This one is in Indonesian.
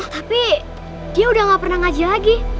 tapi dia udah gak pernah ngaji lagi